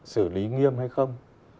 xử lý nghiêm hay không